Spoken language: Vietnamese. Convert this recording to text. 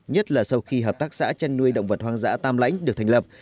nhất là sau khi hợp tác xã chăn nuôi động vật hoang dã tam lãnh được thành lập